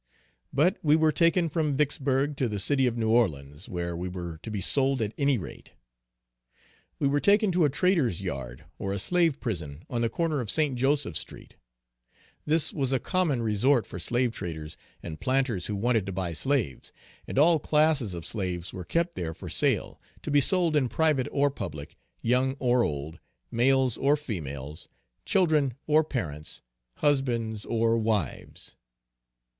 But we were taken from Vicksburgh, to the city of New Orleans, were we were to be sold at any rate. We were taken to a trader's yard or a slave prison on the corner of St. Joseph street. This was a common resort for slave traders, and planters who wanted to buy slaves; and all classes of slaves were kept there for sale, to be sold in private or public young or old, males or females, children or parents, husbands or wives.